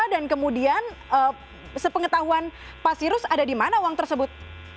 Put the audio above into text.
dan kemudian sepengetahuan pak sirus ada di mana uang tersebut